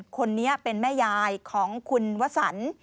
คนนี้เป็นแม่ยายของคุณวสัน